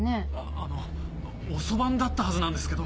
あの遅番だったはずなんですけど。